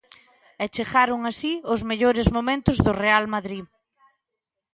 E chegaron así os mellores momentos do Real Madrid.